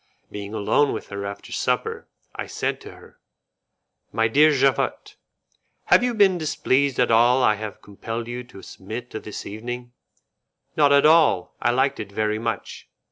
Being alone with her after supper, I said to her, "My dear Javotte, have you been displeased at all I have compelled you to submit to this evening?" "Not at all; I liked it very much."